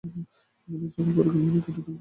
আমাদের সকল পরিকল্পনা কেটে টুকরো টুকরো করে দিয়েছে।